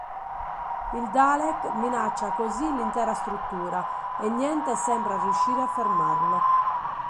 Il Dalek minaccia così l'intera struttura e niente sembra riuscire a fermarlo.